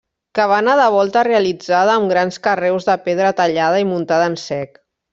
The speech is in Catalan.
Cabana de volta realitzada amb grans carreus de pedra tallada i muntada en sec.